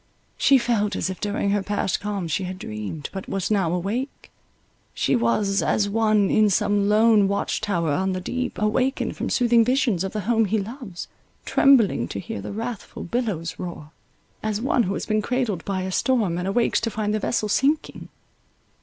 She felt as if during her past calm she had dreamed, but was now awake; she was As one In some lone watch tower on the deep, awakened From soothing visions of the home he loves, Trembling to hear the wrathful billows roar; as one who has been cradled by a storm, and awakes to find the vessel sinking.